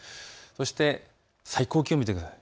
そして最高気温を見てください。